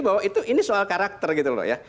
bahwa ini soal karakter gitu loh ya